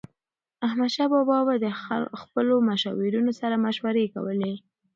احمدشاه بابا به د خپلو مشاورینو سره مشورې کولي.